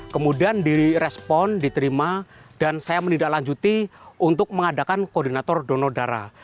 kemudian direspon diterima dan saya menindaklanjuti untuk mengadakan koordinator donor darah